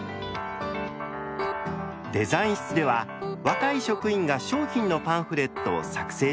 デザイン室では若い職員が商品のパンフレットを作成中。